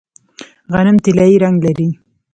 غنم طلایی رنګ لري.